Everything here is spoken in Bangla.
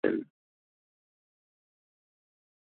তিনি গণিতে পাঠক্রম বহির্ভূত শিক্ষা নেন।